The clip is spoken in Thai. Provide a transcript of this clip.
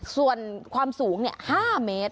ส่วนความสูง๕เมตร